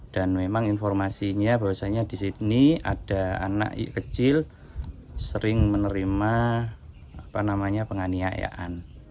dan memang informasinya bahwasannya di sini ada anak kecil sering menerima penganiayaan